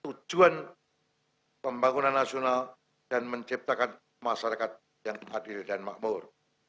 tujuan pembangunan nasional dan menciptakan masyarakat yang adil dan makmur